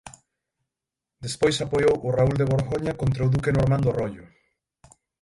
Despois apoiou o Raúl de Borgoña contra o duque normando Rollo.